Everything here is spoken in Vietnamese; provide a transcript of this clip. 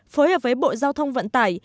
phối hợp với bộ giao thông vận tải